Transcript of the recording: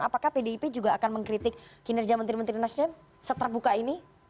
apakah pdip juga akan mengkritik kinerja menteri menteri nasdem seterbuka ini